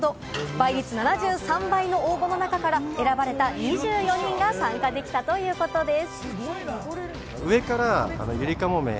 倍率７３倍の応募の中から選ばれた２４人が参加できたということです。